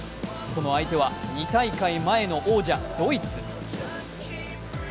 その相手は２大会前の王者、ドイツ。